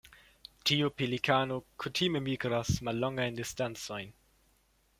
Tiu pelikano kutime migras mallongajn distancojn.